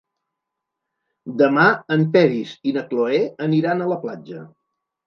Demà en Peris i na Cloè aniran a la platja.